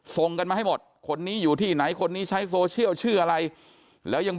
ส่งกันมาให้หมดคนนี้อยู่ที่ไหนคนนี้ใช้โซเชียลชื่ออะไรแล้วยัง